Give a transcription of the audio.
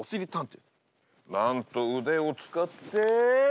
なんと腕を使って。